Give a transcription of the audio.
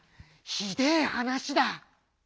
ひでえ話だ」。